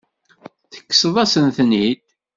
Tekkseḍ-asen-ten-id.